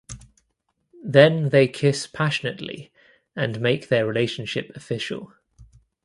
Then they kiss passionately and make their relationship official.